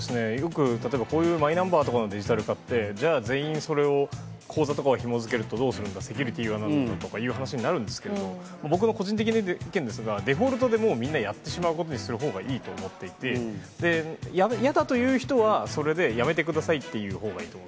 こういうマイナンバーとかのデジタル化って、じゃあ全員それを口座とかをひもづけるとどうするんだ、セキュリティーがなんだのという話になるんですけども、僕の個人的な意見ですが、デフォルトでもうみんなやってしまうことにするほうがいいと思っていて、嫌だという人は、それでやめてくださいっていう方がいいと思う。